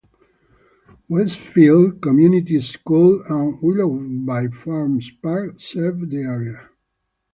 Westfield Community School and Willoughby Farms Park serve the area.